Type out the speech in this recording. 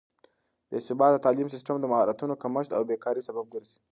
بې ثباته تعليم سيستم د مهارتونو کمښت او بې کارۍ سبب ګرځي.